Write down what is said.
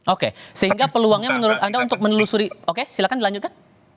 oke sehingga peluangnya menurut anda untuk menelusuri oke silahkan dilanjutkan